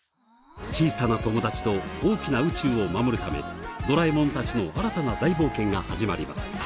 小さな友達と大きな宇宙を守るためドラえもんたちの新たな大冒険が始まります。